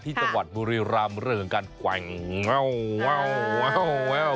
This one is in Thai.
ที่จังหวัดบุรีรามเริ่งการแวว